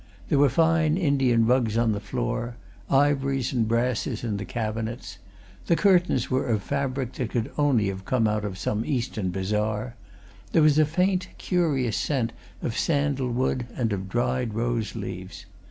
There were fine Indian rugs on the floor; ivories and brasses in the cabinets; the curtains were of fabric that could only have come out of some Eastern bazaar; there was a faint, curious scent of sandal wood and of dried rose leaves.